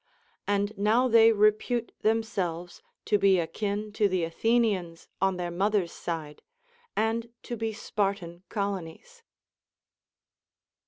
And now they repute themselves to be akin to the Athenians on their mothers' side, and to be Spartan colonies.